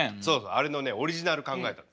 あれのねオリジナル考えたの。